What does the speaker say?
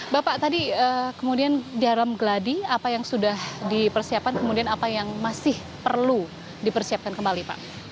bapak tadi kemudian di dalam geladi apa yang sudah dipersiapkan kemudian apa yang masih perlu dipersiapkan kembali pak